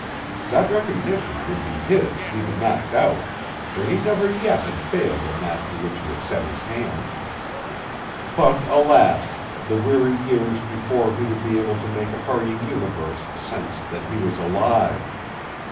That recognition would be his he did not doubt, for he never yet had failed in that to which he had set his hand. But, alas, the weary years before he would be able to make a hurrying universe sense that he was alive!